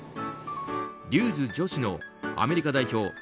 リュージュ女子のアメリカ代表